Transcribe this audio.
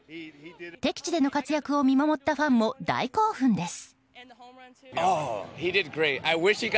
敵地での活躍を見守ったファンも大興奮です。